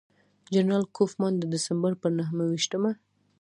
جنرال کوفمان د ډسمبر پر نهه ویشتمه.